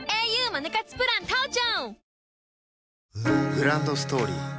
グランドストーリー